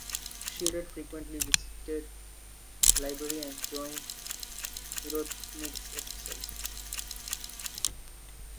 She read frequently visited the library and joined eurythmics exercises.